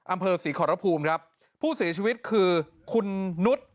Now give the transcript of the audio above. อำเภอศรีขอรภูมิครับผู้เสียชีวิตคือคุณนุษย์